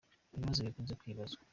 Ibibazo bikunze kwibazwa